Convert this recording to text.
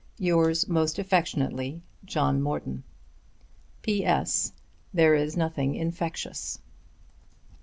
Yours most affectionately, JOHN MORTON. There is nothing infectious.